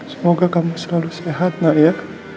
semoga kamu selalu sehat mbak ya